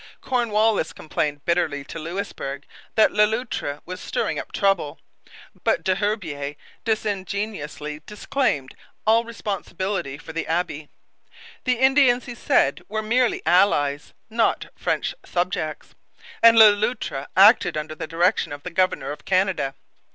Cornwallis complained bitterly to Louisbourg that Le Loutre was stirring up trouble; but Des Herbiers disingenuously disclaimed all responsibility for the abbe. The Indians, he said, were merely allies, not French subjects, and Le Loutre acted under the direction of the governor of Canada.